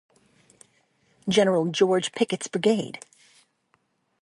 General George Pickett's brigade.